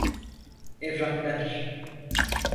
Evraklar.